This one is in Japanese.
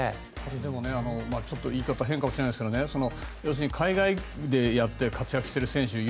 でも、言い方は変かもしれないですけど要するに海外でやって活躍している選手